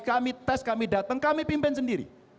kami tes kami datang kami pimpin sendiri